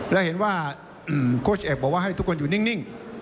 และเห็นว่าโค้ชเอกบอกว่าให้ทุกคนอยู่นิ่ง